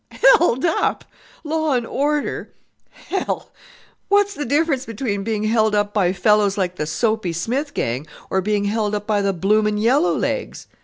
"Held up! Law and order! Hell! What's the difference between being held up by fellows like the Soapy Smith gang, or being held up by the blooming yellow legs?